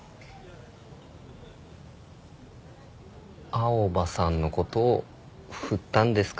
青羽さんのことを振ったんですか？